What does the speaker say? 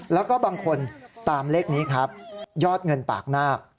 แล้วก็บางคนตามเลขนี้ครับยอดเงินปากนาค